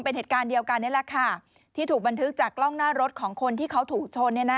เป็นเหตุการณ์เดียวกันนี่แหละค่ะที่ถูกบันทึกจากกล้องหน้ารถของคนที่เขาถูกชน